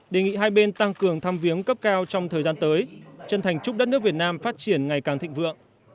đề nghị hai bên tăng cường tham viếng cấp cao trong thời gian tới chân thành chúc đất nước việt nam phát triển ngày càng thịnh vượng